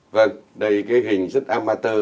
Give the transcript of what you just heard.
vâng đây cái hình rất amateur